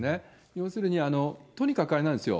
要するに、とにかくあれなんですよ。